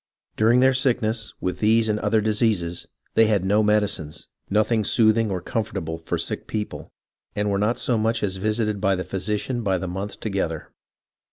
During their sickness, with these and other diseases, they had no medi cines, nothing soothing or comfortable for sick people, and were not so much as visited by the physician by the month together.